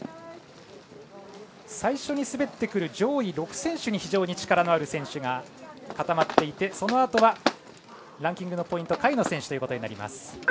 最初に滑ってくる上位６選手に非常に力のある選手が固まっていてそのあとはランキングのポイントが下位の選手となります。